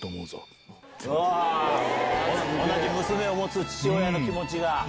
同じ娘を持つ父親の気持ちが。